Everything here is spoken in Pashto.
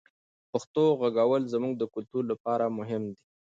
پښتو غږول زموږ د کلتور لپاره مهم دی.